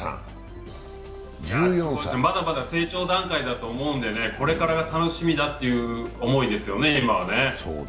まだまだ成長段階だと思うので、これからが楽しみだという思いですよね、今は。